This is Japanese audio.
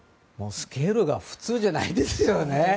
スケールが普通じゃないですよね。